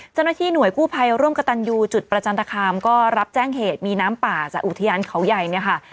เจ้าหน้าที่หน่วยกู้ภัยร่วมกับตันยูจุดประจันตคามก็รับแจ้งเหตุมีน้ำป่าจากอุทยานเขาใหญ่เนี่ยค่ะ